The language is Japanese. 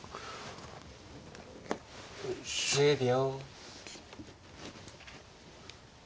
１０秒。